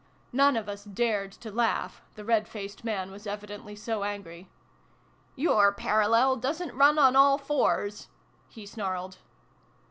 None of us dared to laugh, the red faced man was evidently so angry. " Your parallel doesn't run on all fours !" he snarled.